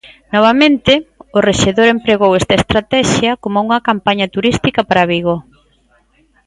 Novamente, o rexedor empregou esta estratexia como unha campaña turística para Vigo.